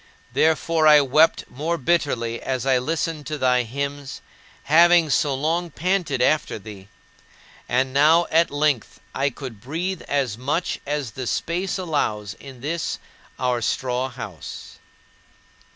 Therefore, I wept more bitterly as I listened to thy hymns, having so long panted after thee. And now at length I could breathe as much as the space allows in this our straw house.